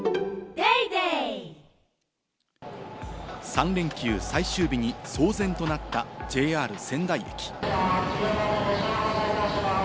３連休最終日に騒然となったＪＲ仙台駅。